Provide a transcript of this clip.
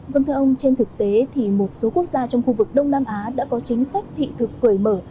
vâng thưa ông trên thực tế thì một số quốc gia trong khu vực đông nam á đã có chính sách thị thực cởi mở